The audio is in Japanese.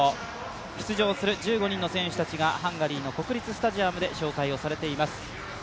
出場する１５人の選手たちがハンガリーの国立スタジアムで紹介されています。